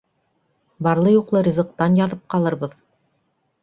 Барлы-юҡлы ризыҡтан яҙып ҡалырбыҙ.